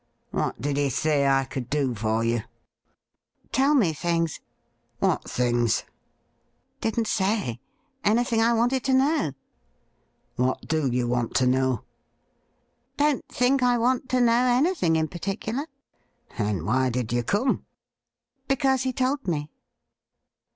' What did he say I could do for you ?'' Tell me things.' ' What things .?'' Didn't say. Anything I wanted to know.' ' What do you want to know i" ' Don't think I want to know anything in particular.' * Then, why did you come ?' MR, MARMADUKE COFFIN 75 ' Because he told me.'